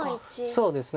そうですね。